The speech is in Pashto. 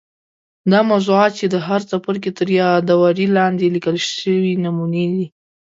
دا موضوعات چې د هر څپرکي تر یادوري لاندي لیکل سوي نمونې دي.